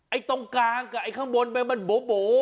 ตรงกลางกับไอ้ข้างบนไปมันโบ๋